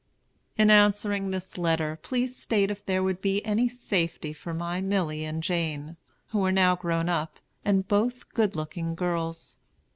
In answering this letter, please state if there would be any safety for my Milly and Jane, who are now grown up, and both good looking girls.